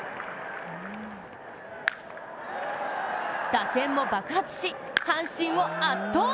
打線も爆発し、阪神を圧倒。